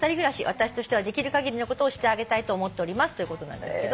私としてはできるかぎりのことをしてあげたいと思っております」ということなんですけど。